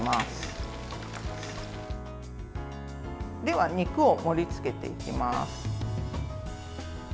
では、肉を盛りつけていきます。